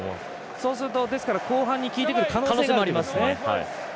それが後半にきいてくる可能性がありますね。